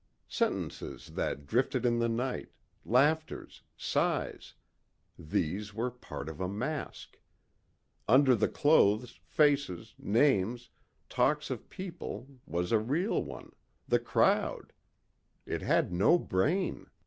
Sentences that drifted in the night, laughters, sighs these were part of a mask. Under the clothes, faces, names, talk of people, was a real one the crowd. It had no brain.